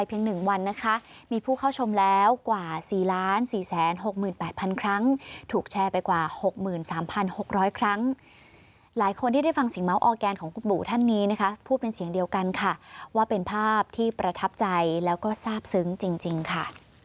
อีกหนึ่งคลิปบนโลกออนไลน์จะภายเหรอทราบซึ้งขนาดไหนติดตามกันเลยค่ะ